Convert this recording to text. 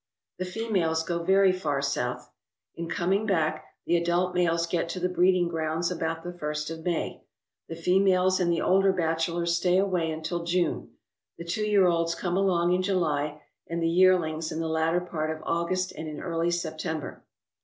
The females go very far south. In coming back, the adult males get to the breeding grounds about the first of May. The females and the older bachelors stay away until June, the two year olds come along in July, and the yearlings in the latter part of August and in early September.